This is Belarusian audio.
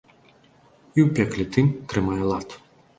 І ў пекле тым трымае лад!